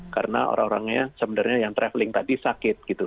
karena orang orangnya sebenarnya yang travelling tadi sakit